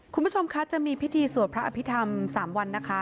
คุณผู้ชมคะจะมีพิธีสวดพระอภิษฐรรม๓วันนะคะ